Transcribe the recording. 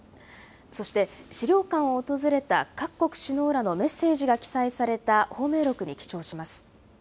そして、資料館を訪れた各国首脳らのメッセージが記載された芳名録に記帳します。